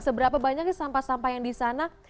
seberapa banyak sampah sampah yang disana